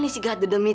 diem mah sualous nih